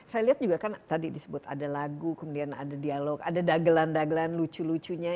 saya lihat juga kan tadi disebut ada lagu kemudian ada dialog ada dagelan dagelan lucu lucunya